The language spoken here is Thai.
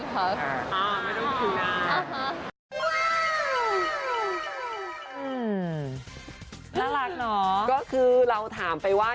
อือน่ารักน๋อก็คือเราถามไปว่า